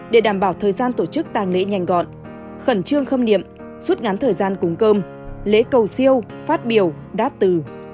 để đảm bảo thời gian tổ chức tàng lễ nhanh gọn khẩn trương khâm niệm rút ngắn thời gian cúng cơm lễ cầu siêu phát biểu đáp từ